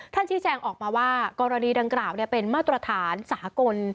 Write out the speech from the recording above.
ชี้แจงออกมาว่ากรณีดังกล่าวเป็นมาตรฐานสากล